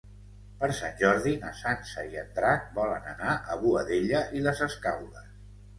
Per Sant Jordi na Sança i en Drac volen anar a Boadella i les Escaules.